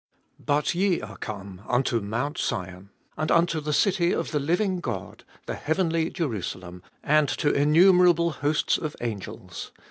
But ye are come unto Mount Sion, and unto the city of the living God, the heavenly Jerusalem, and to innumerable hosts of angels, 23.